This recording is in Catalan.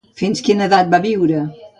Fins quina edat va viure?